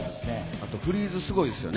あとフリーズがすごいですよね。